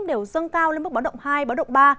đều dâng cao lên mức bão động hai bão động ba